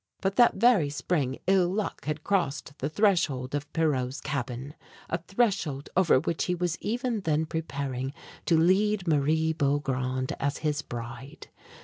But that very spring ill luck had crossed the threshold of Pierrot's cabin, a threshold over which he was even then preparing to lead Marie Beaugrand as his bride.